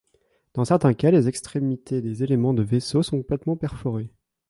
Dans certains cas, les extrémités des éléments de vaisseau sont complètement perforées.